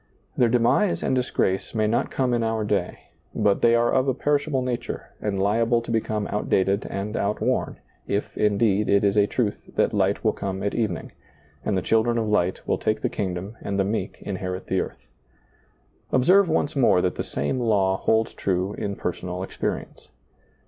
Their demise and disgrace may not come in our day, but they are of a perishable nature and liable to become out dated and outworn, if, indeed, it is a truth that light will come at evening, and the children of light will take the kingdom and the meek inherit the earth. Observe once more that the same law holds true in personal experience.